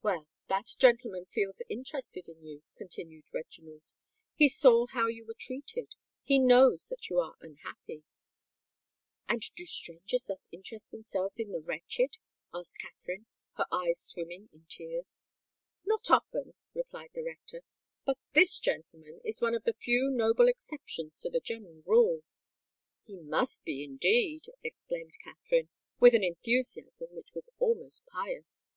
"Well, that gentleman feels interested in you," continued Reginald. "He saw how you were treated—he knows that you are unhappy." "And do strangers thus interest themselves in the wretched?" asked Katherine, her eyes swimming in tears. "Not often," replied the rector. "But this gentleman is one of the few noble exceptions to the general rule." "He must be indeed!" exclaimed Katherine, with an enthusiasm which was almost pious.